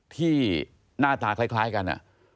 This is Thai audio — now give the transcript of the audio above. ที่หน้าตาคล้ายกัน